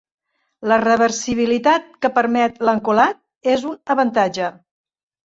La reversibilitat que permet l'encolat és un avantatge.